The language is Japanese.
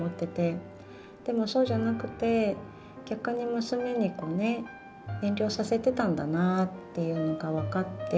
でもそうじゃなくて逆に娘にこうね遠慮させてたんだなっていうのが分かって。